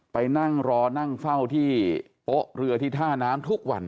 ไปนั่งรอนั่งเฝ้าที่โป๊ะเรือที่ท่าน้ำทุกวัน